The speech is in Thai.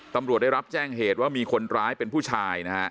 ตำรวจได้รับแจ้งเหตุว่ามีคนร้ายเป็นผู้ชายนะฮะ